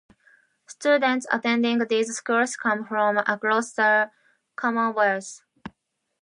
Students attending these schools come from across the commonwealth.